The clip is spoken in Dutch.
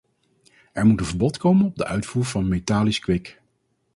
Er moet een verbod komen op de uitvoer van metallisch kwik.